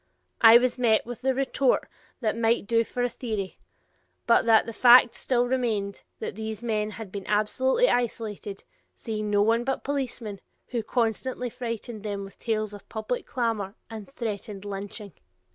I was met with the retort that that might do for a theory, but that the fact still remained that these men had been absolutely isolated, seeing no one but policemen, who constantly frightened them with tales of public clamor and threatened lynching.